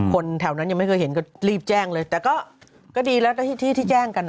คนแถวนั้นยังไม่เคยเห็นก็รีบแจ้งเลยแต่ก็ดีแล้วที่ที่แจ้งกัน